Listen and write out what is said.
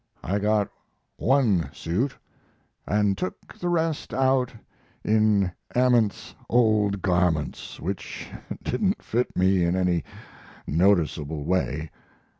I got one suit and took the rest out in Ament's old garments, which didn't fit me in any noticeable way.